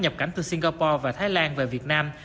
nhập cảnh từ singapore và thái lan về việt nam